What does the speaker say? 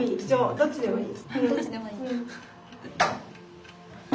・どっちでもいい。